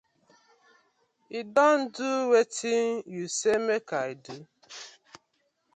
I don do wetin yu say mak I do.